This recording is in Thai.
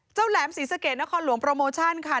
แหลมศรีสะเกดนครหลวงโปรโมชั่นค่ะ